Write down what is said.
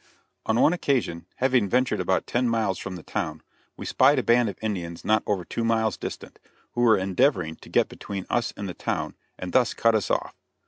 On one occasion, having ventured about ten miles from the town, we spied a band of Indians not over two miles distant, who were endeavoring to get between us and the town, and thus cut us off.